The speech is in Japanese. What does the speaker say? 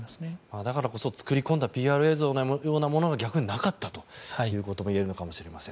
だからこそ作り込んだＰＲ映像のようなものが逆になかったということも言えるのかもしれません。